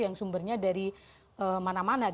yang sumbernya dari mana mana